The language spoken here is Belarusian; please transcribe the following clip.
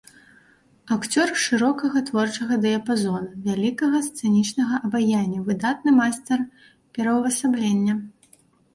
Акцёр шырокага творчага дыяпазону, вялікага сцэнічнага абаяння, выдатны майстар пераўвасаблення.